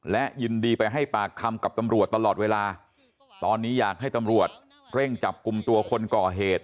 และยินดีไปให้ปากคำกับตำรวจตลอดเวลาตอนนี้อยากให้ตำรวจเร่งจับกลุ่มตัวคนก่อเหตุ